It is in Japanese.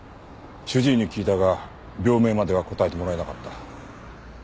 主治医に聞いたが病名までは答えてもらえなかった。